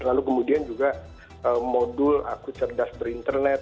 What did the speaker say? lalu kemudian juga modul aku cerdas berinternet